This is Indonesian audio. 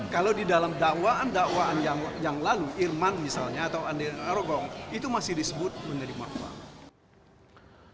kalau di dalam dakwaan dakwaan yang lalu irman misalnya atau andi narogong itu masih disebut menerima uang